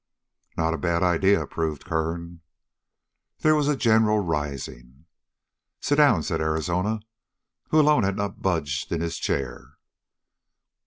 "Not a bad idea," approved Kern. There was a general rising. "Sit down," said Arizona, who alone had not budged in his chair.